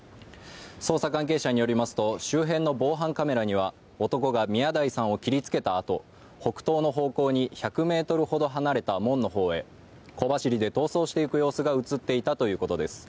捜査関係者によりますと、周辺の防犯カメラには男が宮台さんを切りつけたあと北東の方向に、１００ｍほど離れた門の方へ小走りで逃走していく様子が映っていたということです。